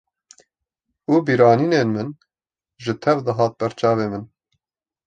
û bîranînên min jî tev dihat ber çavên min